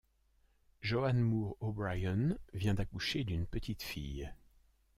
Joan Moore O'Brian vient d'accoucher d'une petite fille.